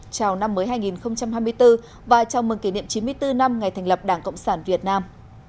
chào năm mới hai nghìn hai mươi bốn và chào mừng kỷ niệm chín mươi bốn năm ngày thành lập đảng cộng sản việt nam